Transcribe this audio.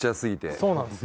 そうなんですよ。